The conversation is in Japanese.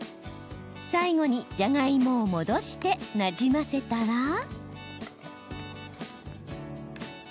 最後にじゃがいもを戻してなじませたら。